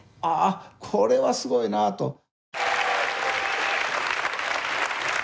ああこれはすごいなと。